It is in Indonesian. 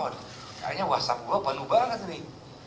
akhirnya whatsapp gua penuh banget nih